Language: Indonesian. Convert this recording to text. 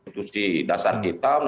jadi pak wamen